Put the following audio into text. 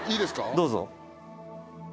どうぞ。